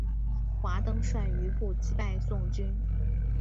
华登率余部击败宋军。